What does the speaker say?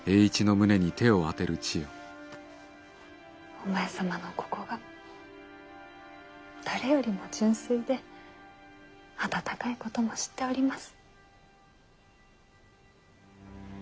お前様のここが誰よりも純粋で温かいことも知っております。